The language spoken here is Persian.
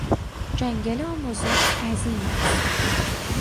جنگل آمازون عظیم است.